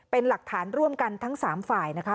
เป็นหลักฐานร่วมกันทั้ง๓ฝ่ายนะคะ